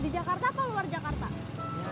yang mahal apa yang murah yang mahal apa yang murah